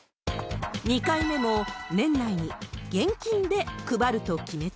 ２回目も年内に現金で配ると決めた。